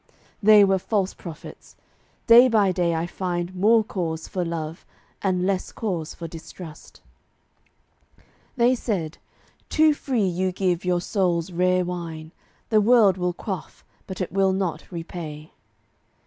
They were false prophets; day by day I find More cause for love, and less cause for distrust. They said, "Too free you give your soul's rare wine; The world will quaff, but it will not repay."